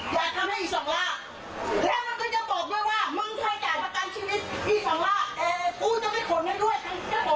พูดเลยเหตุภาษีถูกต้อง๗๒ปีถ้าแอดสอนแล้วจะรู้เดี๋ยวอีก๗ปันนักข่าวมาหมดแล้วมึงจะรู้